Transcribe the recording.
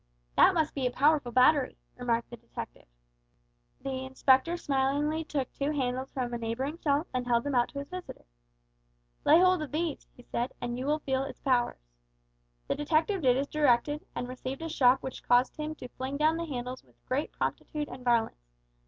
"That must be a powerful battery," remarked the detective. The Inspector smilingly took two handles from a neighbouring shelf and held them out to his visitor. "Lay hold of these," he said, "and you will feel its powers." The detective did as directed, and received a shock which caused him to fling down the handles with great promptitude and violence.